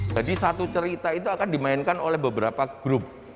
jadi satu cerita itu akan dimainkan oleh beberapa grup